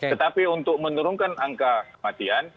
tetapi untuk menurunkan angka kematian